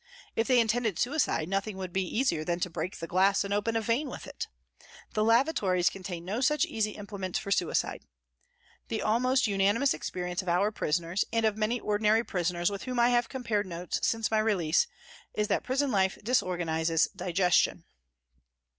If they intended suicide nothing would be easier than to break the glass and open a vein with it. The lavatories contain no such easy implements for suicide. The almost unani mous experience of our prisoners, and of many ordinary prisoners with whom I have compared notes since my release, is that prison life disorganises digestion.